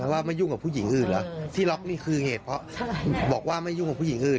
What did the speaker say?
ว่าไม่ยุ่งกับผู้หญิงอื่นเหรอที่ล็อกนี่คือเหตุเพราะบอกว่าไม่ยุ่งกับผู้หญิงอื่น